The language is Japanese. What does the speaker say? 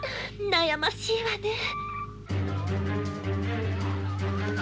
悩ましいわねえ。